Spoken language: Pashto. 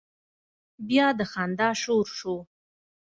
بيا د خندا شور شو.